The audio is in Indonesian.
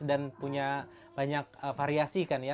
dan punya banyak variasi kan ya